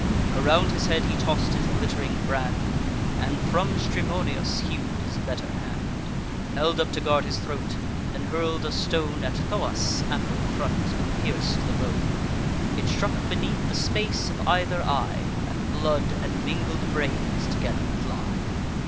Around his head he toss'd his glitt'ring brand, And from Strymonius hew'd his better hand, Held up to guard his throat; then hurl'd a stone At Thoas' ample front, and pierc'd the bone: It struck beneath the space of either eye; And blood, and mingled brains, together fly.